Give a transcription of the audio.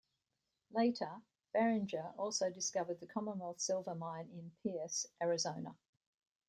Later, Barringer also discovered the Commonwealth Silver Mine in Pearce, Arizona.